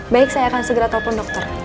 baik saya akan segera telepon dokter